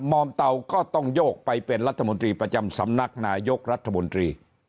อมเตาก็ต้องโยกไปเป็นรัฐมนตรีประจำสำนักนายกรัฐมนตรี